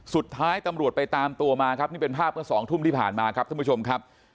สุดท้ายตำรวจไปตามตัวมาครับนี่เป็นภาพเมื่อสองทุ่มที่ผ่านมาครับท่านผู้ชมครับ